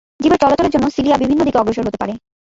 জীবের চলাচলের জন্য সিলিয়া বিভিন্ন দিকে অগ্রসর হতে পারে।